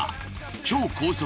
超高速